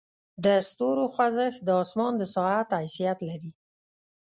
د ستورو خوځښت د اسمان د ساعت حیثیت لري.